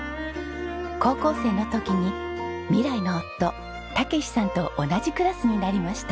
高校生の時に未来の夫健さんと同じクラスになりました。